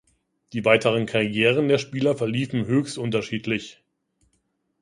Die weiteren Karrieren der Spieler verliefen höchst unterschiedlich.